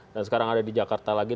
dan sekarang ada di jakarta lagi